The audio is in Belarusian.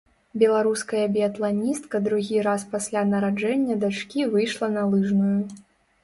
Беларуская біятланістка другі раз пасля нараджэння дачкі выйшла на лыжную.